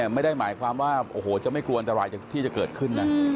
ไม่ได้หมายความว่าโอ้โหจะไม่กลัวอันตรายที่จะเกิดขึ้นนะ